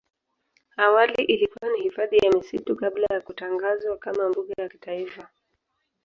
Awali ilikuwa ni hifadhi ya misitu kabla ya kutangazwa kama mbuga ya kitaifa.